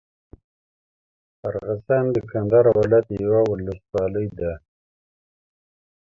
ارغسان د کندهار ولايت یوه اولسوالي ده.